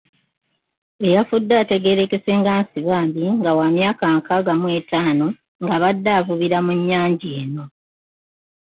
Eyafudde ategerekese nga Nsibambi nga wa myaka nkaaga mu etaano ng'abadde avubira ku nnyanja eno.